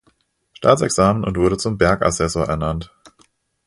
Staatsexamen und wurde zum "Bergassessor" ernannt.